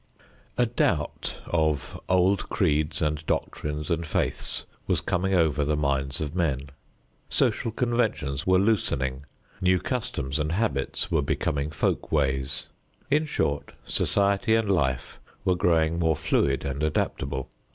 A doubt of old creeds and doctrines and faiths was coming over the minds of men. Social conventions were loosening, new customs and habits were becoming folk ways. In short, society and life were growing more fluid and adaptable.